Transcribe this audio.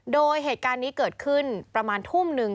โดยเหตุการณ์นี้เกิดขึ้นประมาณทุ่มนึง